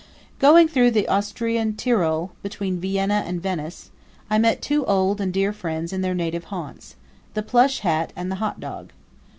Going through the Austrian Tyrol, between Vienna and Venice, I met two old and dear friends in their native haunts the plush hat and the hot dog.